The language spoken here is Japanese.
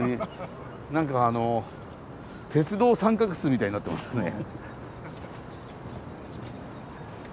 何か鉄道三角州みたいになってますね。